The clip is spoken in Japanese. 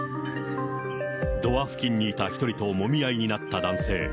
ドア付近にいた１人ともみ合いになった男性。